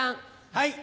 はい。